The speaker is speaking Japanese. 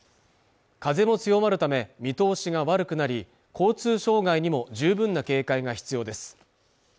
風も強まるため見通しが悪くなり交通障害にも十分な警戒が必要です